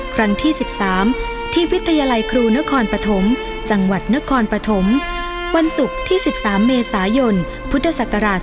ครั้งที่๑๓ที่วิทยาลัยครูนครปฐมจังหวัดนครปฐมวันศุกร์ที่๑๓เมษายนพุทธศักราช๒๕๖